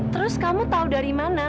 terus kamu tahu dari mana